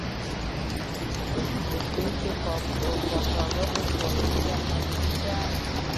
د کشمش پاکولو فابریکې عصري دي؟